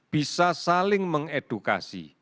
bisa saling mengedukasi